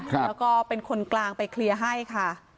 แล้วก็เป็นคนกลางไปเคลียร์ให้ค่ะ